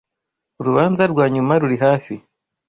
Urubanza rwa nyuma ruri hafi